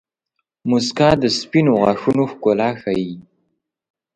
• مسکا د سپینو غاښونو ښکلا ښيي.